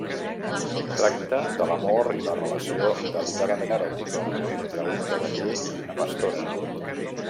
Tracta de l’amor i la relació delicadament eròtica entre un cavaller i una pastora.